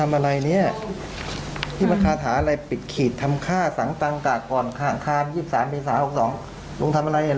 แบบเลี้ยงต่อต่อกันให้ทราบทำทำทำตายตายตายคืออะไรไม่ฝากไหมได้ตรวจดูยัง